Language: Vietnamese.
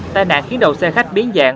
tai nạn khiến đầu xe khách biến giảm